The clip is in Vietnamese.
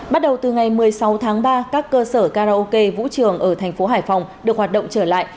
bắt đầu từ ngày một mươi sáu tháng ba các cơ sở karaoke vũ trường ở thành phố hải phòng được hoạt động trở lại